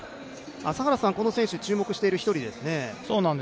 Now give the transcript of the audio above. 朝原さん、この選手、注目している１人ですね。